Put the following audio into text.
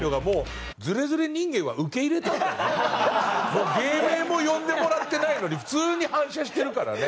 もう芸名も呼んでもらってないのに普通に反射してるからね。